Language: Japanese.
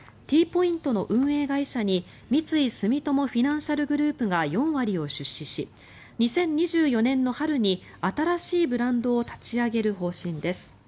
Ｔポイントの運営会社に三井住友フィナンシャルグループが４割を出資し２０２４年の春に新しいブランドを立ち上げる方針です。